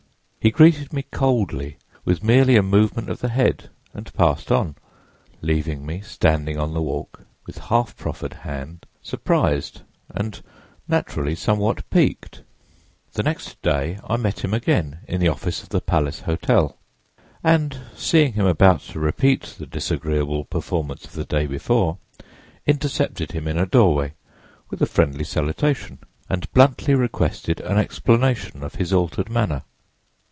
He greeted me coldly with merely a movement of the head and passed on, leaving me standing on the walk, with half proffered hand, surprised and naturally somewhat piqued. The next day I met him again in the office of the Palace Hotel, and seeing him about to repeat the disagreeable performance of the day before, intercepted him in a doorway, with a friendly salutation, and bluntly requested an explanation of his altered manner.